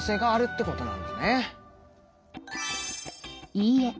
いいえ。